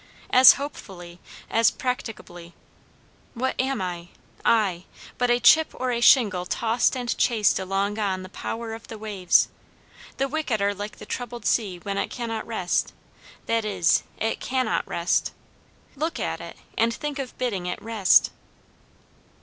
as hopefully, as practicably. What am I, I but a chip or a shingle tossed and chased along on the power of the waves? The wicked are like the troubled sea when it cannot rest; that is it, it cannot rest. Look at it, and think of bidding it rest!"